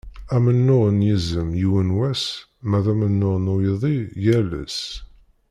Amennuɣ n yizem yiwen wass, ma d amennuɣ n uydi yal ass.